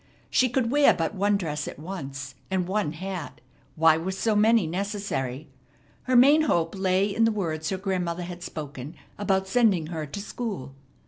She could wear but one dress at once, and one hat. Why were so many necessary? Her main hope lay in the words her grandmother had spoken about sending her to school.